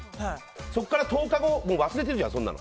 そこから１０日後忘れてるじゃん、そんなの。